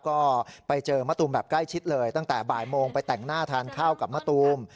ก็ไปเจอมะตูมแบบใกล้ชิดเลยตั้งแต่บ่ายโมงไปแต่งหน้าทานข้าวกับมะตูม